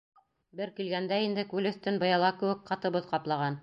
Бер килгәндә инде күл өҫтөн быяла кеүек ҡаты боҙ ҡаплаған.